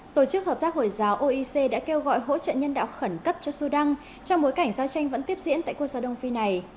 tổ chức hợp tác hồi giáo oec đã kêu gọi hỗ trợ nhân đạo khẩn cấp cho sudan trong bối cảnh giao tranh vẫn tiếp diễn tại quốc gia đông phi này